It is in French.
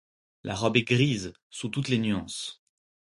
La robe est grise sous toutes les nuances.